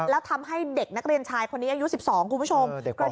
แล้วทำให้เด็กนักเรียนชายคนนี้อายุ๑๒คุณผู้ชม